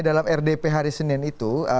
dalam rdp hari senin itu